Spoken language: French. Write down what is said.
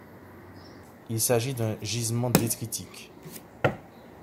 Il s'agit d'un gisement détritique.